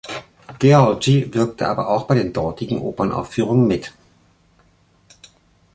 Georgi wirkte aber auch bei den dortigen Opernaufführungen mit.